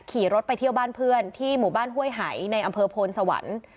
ขี่รถไปเที่ยวบ้านเพื่อนที่หมู่บ้านห้วยหายในอำเภอโพนสวรรค์